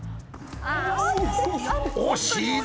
惜しいぞ。